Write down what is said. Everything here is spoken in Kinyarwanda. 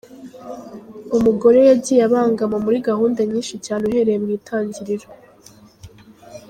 Umugore yagiye abangama muri gahunda nyinshi cyane uhereye mu Itangiriro.